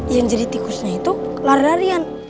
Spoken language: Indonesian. yang jadi tikusnya itu lara darian